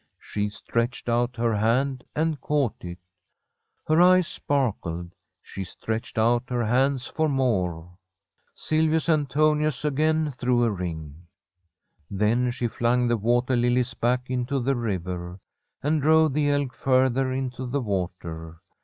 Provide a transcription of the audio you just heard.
She stretched out her hand and caught it. Her eyes sparkled. She stretched out her hands for more. Silvius Antonius again threw a ring. Then she flung the water lilies back into the river and drove the elk further into the water.